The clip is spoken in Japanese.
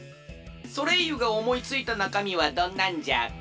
ソレイユがおもいついたなかみはどんなんじゃ？